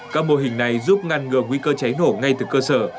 các mô hình này giúp ngăn ngừa nguy cơ cháy nổ ngay từ cơ sở